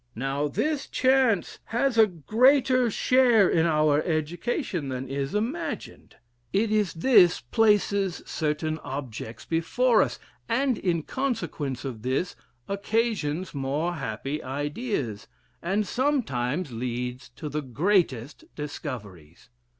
Now, this chance has a greater share in our education than is imagined. It is this places certain objects before us, and in consequence of this, occasions more happy ideas, and sometimes leads to the greatest discoveries.